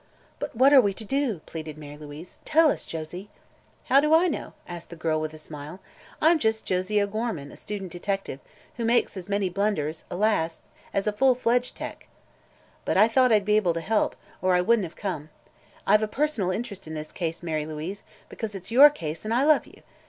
"But what are we to do?" pleaded Mary Louise. "Tell us, Josie!" "How do I know?" asked the girl, with a smile. "I'm just Josie O'Gorman, a student detective, who makes as many blunders alas! as a full fledged 'tec.' But I thought I'd be able to help, or I wouldn't have come. I've a personal interest in this case, Mary Louise, because it's your case and I love you.